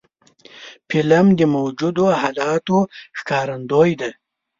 فلم د موجودو حالاتو ښکارندوی دی